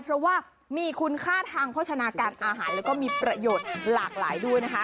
เพราะว่ามีคุณค่าทางโภชนาการอาหารแล้วก็มีประโยชน์หลากหลายด้วยนะคะ